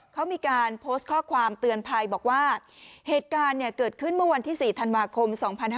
เขามีการโพสต์ข้อความเตือนภัยบอกว่าเหตุการณ์เกิดขึ้นเมื่อวันที่๔ธันวาคม๒๕๕๙